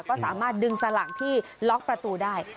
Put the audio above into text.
ก็สามารถดึงสลักที่ล็อกประตูได้